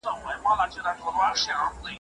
پر شهباز به یې یوه نیمه غزل وي